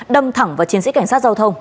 đâm thẳng vào chiến sĩ cảnh sát giao thông